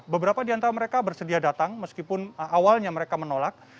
beberapa di antara mereka bersedia datang meskipun awalnya mereka menolak